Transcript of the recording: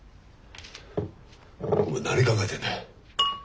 お前何考えてんだ。